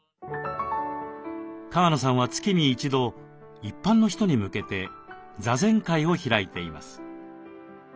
川野さんは月に一度一般の人に向けて座禅会を開いています。